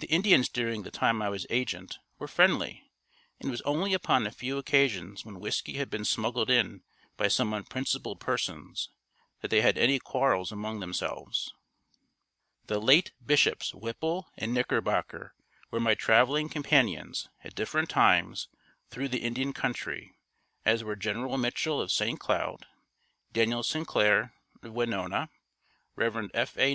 The Indians during the time I was agent were friendly and it was only upon a few occasions when whiskey had been smuggled in by some unprincipled persons, that they had any quarrels among themselves. The late Bishops Whipple and Knickerbocker were my traveling companions at different times thru the Indian country, as were General Mitchell of St. Cloud, Daniel Sinclair of Winona, Rev. F. A.